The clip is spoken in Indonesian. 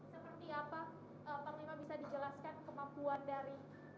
dan kemarin juga ada informasi adanya gerakan di bawah air yang dua lima ton itu